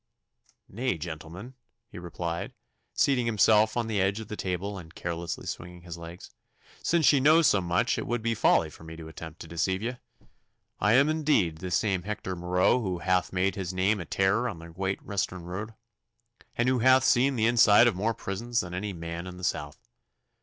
'Nay, gentlemen,' he replied, seating himself on the edge of the table, and carelessly swinging his legs, 'since ye know so much it would be folly for me to attempt to deceive ye. I am indeed the same Hector Marot who hath made his name a terror on the great Western road, and who hath seen the inside of more prisons than any man in the south.